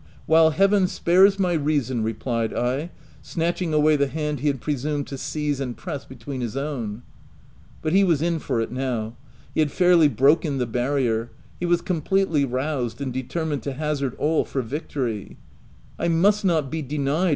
— while heaven spares my reason, replied I, snatching away the hand he had pre sumed to seize and press between his own. But he was in for it now ; he had fairly broken the barrier : he was completely roused, and de termined to hazard all for victory, " I must not be denied